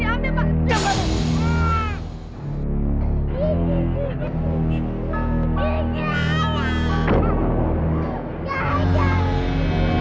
ruangnya harta tapi terjuang adalahmartianya di segala alam